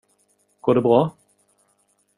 Går det bra?